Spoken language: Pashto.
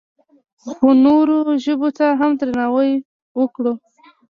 خو نورو ژبو ته هم درناوی وکړو.